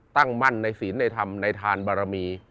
ตั้งมั่นในศีลในธรรมในทานบารมี